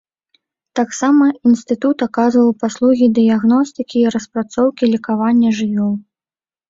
Таксама інстытут аказваў паслугі дыягностыкі і распрацоўкі лекавання жывёл.